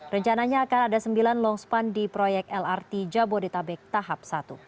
rencananya akan ada sembilan longspan di proyek lrt jabodetabek tahap satu